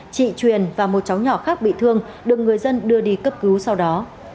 chị truyền và một cháu nhỏ khác bị thương được người dân đưa đi cấp cứu sau đó